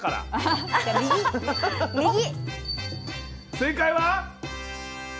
正解は？